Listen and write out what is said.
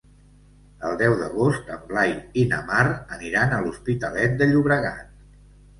El deu d'agost en Blai i na Mar aniran a l'Hospitalet de Llobregat.